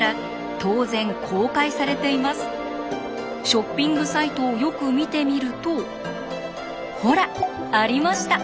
ショッピングサイトをよく見てみるとほらありました！